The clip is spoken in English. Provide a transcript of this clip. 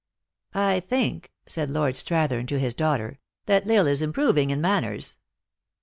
"I think," said Lord Strathern to his daughter, " that L Isle is improving in manners."